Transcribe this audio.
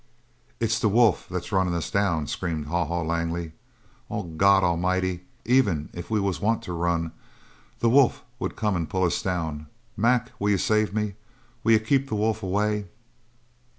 "It's the wolf that's runnin' us down!" screamed Haw Haw Langley. "Oh, God A'mighty, even if we was to want to run, the wolf would come and pull us down. Mac, will you save me? Will you keep the wolf away?"